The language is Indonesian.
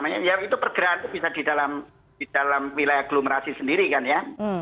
ya itu pergerakan bisa di dalam wilayah aglomerasi sendiri kan ya